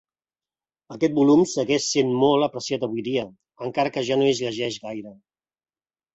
Aquest volum segueix sent molt apreciat avui dia, encara que ja no es llegeix gaire.